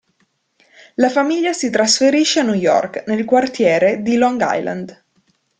La famiglia si trasferisce a New York, nel quartiere di Long Island.